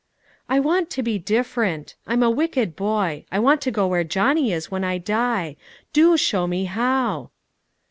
"I want to be different; I'm a wicked boy. I want to go where Johnny is when I die. Do show me how!"